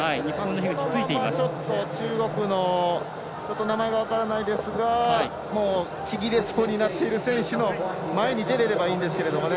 ちょっと中国の選手がちぎれそうになっている選手の前に出れればいいんですけどね。